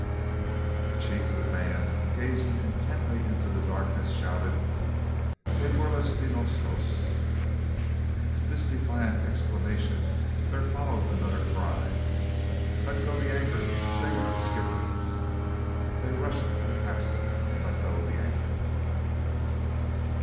The chief of the band, gazing intently into the darkness, shouted, "Te burlas de nosotros?" To this defiant exclamation there followed another cry, "Let go the anchor. Save the skipper." They rushed to the capstan and let go the anchor.